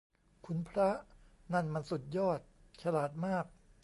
คุณพระ นั่นมันสุดยอด ฉลาดมาก